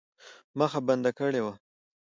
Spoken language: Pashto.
مخه بنده کړې وه.